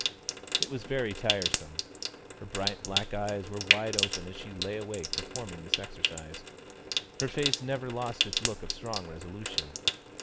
It was very tiresome. Her bright black eyes were wide open as she lay performing this exercise. Her face never lost its look of strong resolution.